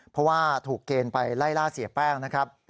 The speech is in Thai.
เพราะว่าถูกเกณฑ์ไปไล่ล่าเสียแป้งนะครับ